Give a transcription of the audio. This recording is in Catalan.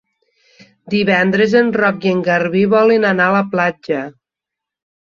Divendres en Roc i en Garbí volen anar a la platja.